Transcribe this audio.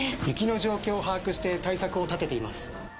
雪の状況を把握して対策を立てています。